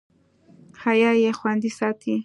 حیا یې خوندي ساتي.